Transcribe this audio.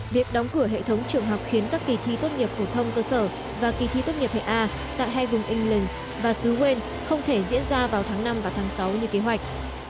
việc đóng cửa hệ thống trường học khiến các kỳ thi tốt nghiệp phổ thông cơ sở và kỳ thi tốt nghiệp hệ a tại hai vùng england và xứ quên không thể diễn ra vào tháng năm và tháng sáu như kế hoạch